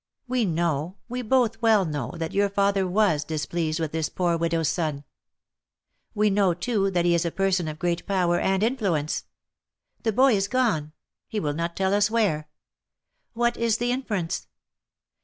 We know, we both well know, that your father icas displeased with this poor widow's son. We know, too, that he is a person of great power and influence. The boy is gone — he will not tell us where. What is the inference?